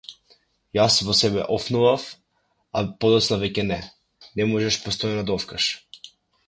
Јас во себе офнував, а подоцна веќе не, не можеш постојано да офкаш.